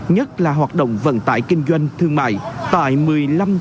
nhất là hoạt động vận tải kinh doanh thương mại tại một mươi năm chốt cửa ngõ thành phố